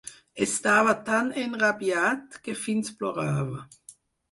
Estava tan enrabiat, que fins plorava.